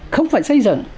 không phải xây dựng